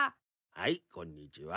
はいこんにちは。